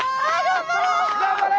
頑張れ！